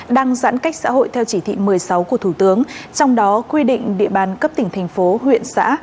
đang giãn cách xã hội theo chỉ thị một mươi sáu của thủ tướng trong đó quy định địa bàn cấp tỉnh thành phố huyện xã